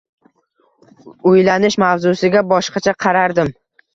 Uylanish mavzusiga boshqacha qarardim